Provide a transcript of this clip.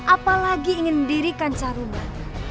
apalagi ingin mendirikan caruman